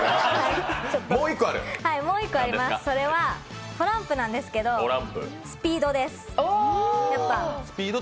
もう１個はトランプなんですけどスピードです。